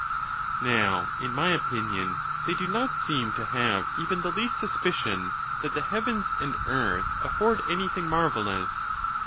XXXVI. Now, in my opinion, they' do not seem to have even the least suspicion that the heavens and earth afford anything marvellous.